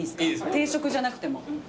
定食じゃなくても。